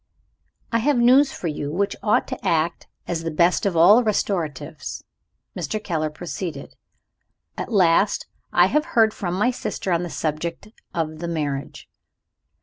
"I have news for you, which ought to act as the best of all restoratives," Mr. Keller proceeded. "At last I have heard from my sister on the subject of the marriage."